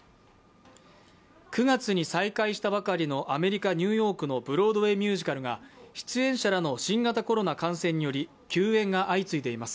９月に再開したばかりのアメリカ・ニューヨークのブロードウェイ・ミュージカルが出演者らの新型コロナ感染により休演が相次いでいます。